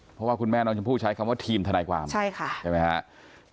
เพราะว่าคุณแม่น้องชมพู่ใช้คำว่าทีมทนายความใช่ค่ะใช่ไหมครับ